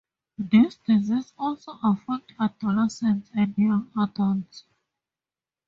This disease also affects adolescents and young adults.